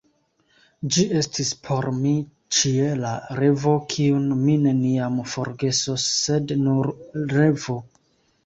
Ĝi estis por mi ĉiela revo, kiun mi neniam forgesos, sed nur revo.